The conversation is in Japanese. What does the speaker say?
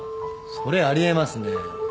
それあり得ますね。